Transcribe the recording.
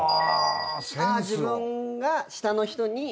自分が下の人に。